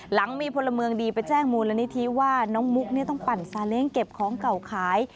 หลังมีพลเมืองดีไปแจ้งมูลนิธิว่าน้องมุกต้องปั่นซาเล้งเก็บของเก่าขาย